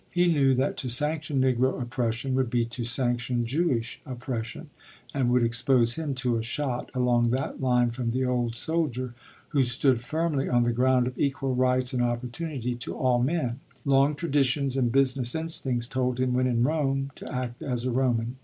He knew that to sanction Negro oppression would be to sanction Jewish oppression and would expose him to a shot along that line from the old soldier, who stood firmly on the ground of equal rights and opportunity to all men; long traditions and business instincts told him when in Rome to act as a Roman.